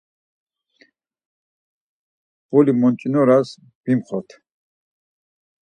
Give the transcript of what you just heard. Mbuli monç̌inoras vimxort.